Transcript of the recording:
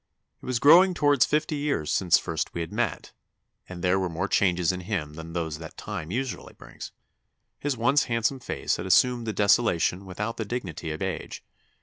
It was growing towards fifty years since first we had met, and there were more changes in him than those that time usually brings. His once handsome face had assumed the desolation without the dignity of age.